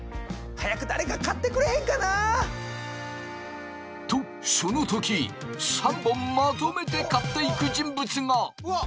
早く誰か買ってくれへんかな！とその時３本まとめて買っていく人物が！うわ！